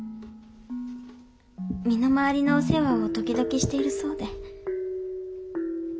身の回りのお世話を時々しているそうで。